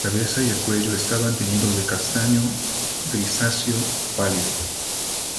La cabeza y el cuello están teñidos de castaño grisáceo pálido.